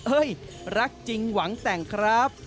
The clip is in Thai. รักจริงหวังแต่งครับ